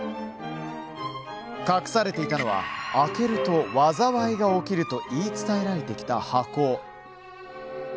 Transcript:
隠されていたのは開けると災いが起きると言い伝えられてきた箱。